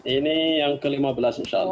ini yang ke lima belas insya allah